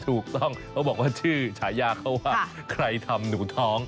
ถูกต้องเขาบอกว่าชื่อฉายาเขาว่าใครทำหนูท้อง